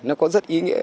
nó có rất ý nghĩa